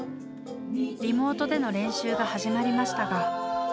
リモートでの練習が始まりましたが。